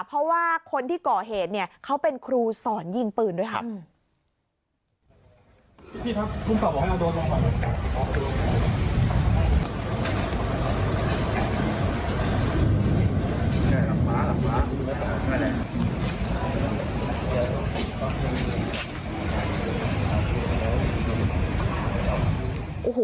เพราะว่าคนที่ก่อเหตุเนี่ยเขาเป็นครูสอนยิงปืนด้วยค่ะ